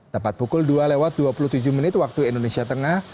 tepat pukul dua lewat dua puluh tujuh menit waktu indonesia tengah